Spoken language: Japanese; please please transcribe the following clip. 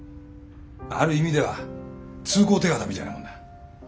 ある意味では通行手形みたいなもんだ。